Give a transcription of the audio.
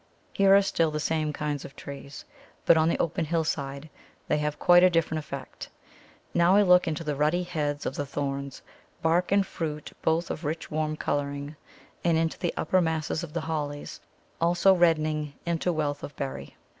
Here are still the same kinds of trees, but on the open hillside they have quite a different effect. Now I look into the ruddy heads of the Thorns, bark and fruit both of rich warm colouring, and into the upper masses of the Hollies, also reddening into wealth of berry.